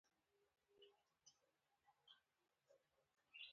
دوی دلته زما غوندې د سکون په لټون پسې راغلي وي.